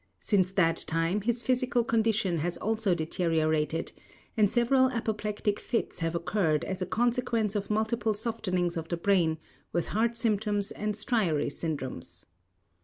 Since that time, his physical condition has also deteriorated, and several apoplectic fits have occurred as a consequence of multiple softenings of the brain with heart symptoms and striary syndroms.